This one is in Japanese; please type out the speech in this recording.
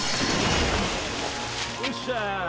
よっしゃー